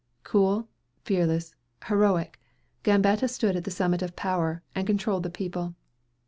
Cool, fearless, heroic, Gambetta stood at the summit of power, and controlled the people.